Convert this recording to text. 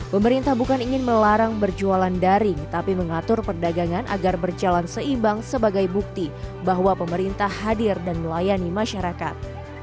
pemerintah bukan ingin melarang berjualan daring tapi mengatur perdagangan agar berjalan seimbang sebagai bukti bahwa pemerintah hadir dan melayani masyarakat